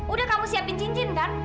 udah kamu siapin cincin kan